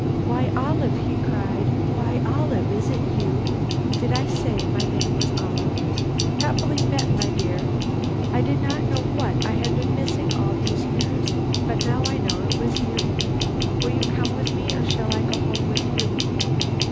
"'Why, Olive!' he cried; 'why, Olive! is it you? (Did I say my name was Olive?) Happily met, my dear! I did not know what I had been missing all these years, but now I know it was you. Will you come with me, or shall I go home with you?'